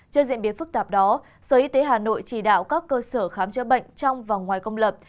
trên diễn biến phức tạp đó sở y tế hà nội chỉ đạo các cơ sở khám chữa bệnh trong và ngoài công lập